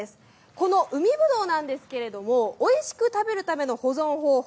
この海ぶどうですがおいしく食べるための保存方法